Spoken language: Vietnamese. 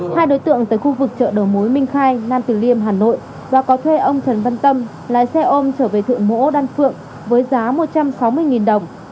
hai đối tượng tới khu vực chợ đầu mối minh khai nam tử liêm hà nội và có thuê ông trần văn tâm lái xe ôm trở về thượng mỗ đan phượng với giá một trăm sáu mươi đồng